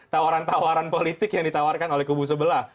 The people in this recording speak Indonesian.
tawaran tawaran politik yang ditawarkan oleh kubu sebelah